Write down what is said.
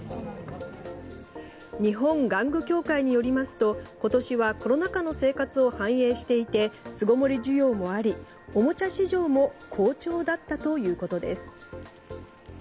日本玩具協会によりますと今年はコロナ禍の生活を反映していて巣ごもり需要もありおもちゃ市場も好調だったということです。